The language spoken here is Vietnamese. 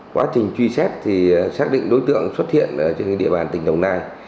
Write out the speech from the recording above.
quá trình truy xét thì xác định đối tượng xuất hiện trên địa bàn tỉnh long an